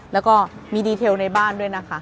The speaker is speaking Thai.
แล้วก็มีรายละเอียดในบ้านด้วยนะคะ